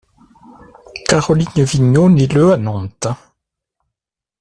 Caroline Vigneaux naît le à Nantes.